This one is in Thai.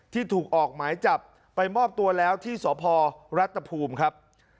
ที่ถูกออกหมายจับไปมอบตัวแล้วที่สพรัฐภูมิครับ